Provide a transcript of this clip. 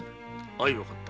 相分かった。